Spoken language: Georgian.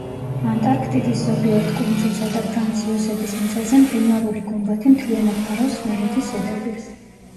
ანტარქტიდის ზოგიერთ კუნძულსა და ფრანც-იოსების მიწაზე მყინვარული გუმბათი მთლიანად ფარავს ხმელეთის ზედაპირს.